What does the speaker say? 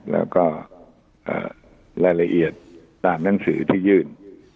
แล้วก็รายละเอียดตามหนังสือที่ยื่น